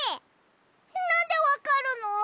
なんでわかるの？